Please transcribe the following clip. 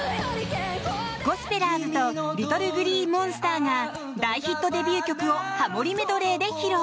ゴスペラーズとＬｉｔｔｌｅＧｌｅｅＭｏｎｓｔｅｒが大ヒットデビュー曲をハモリメドレーで披露。